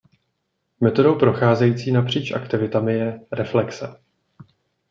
Metodou procházející napříč aktivitami je „reflexe“.